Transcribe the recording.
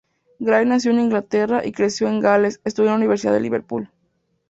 Gray nació en Inglaterra y creció en Gales; estudió en la Universidad de Liverpool.